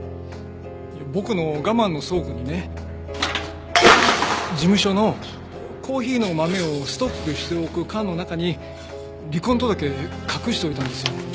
僕の我慢の倉庫にね事務所のコーヒーの豆をストックしておく缶の中に離婚届隠しておいたんですよ。